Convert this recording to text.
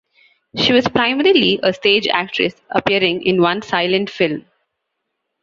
She was primarily a stage actress, appearing in one silent film.